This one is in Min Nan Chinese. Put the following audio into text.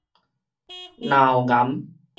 嚨喉癌